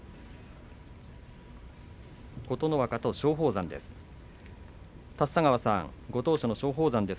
琴ノ若と松鳳山です。